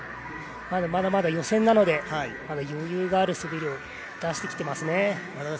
まだまだ予選なので余裕がある滑りを出していますね。